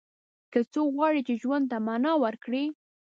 که څوک غواړي چې ژوند ته معنا ورکړي.